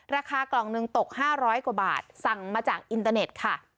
ราคากล่องหนึ่งตก๕๐๐กว่าบาทสั่งมาจากอินเตอร์เน็ตค่ะ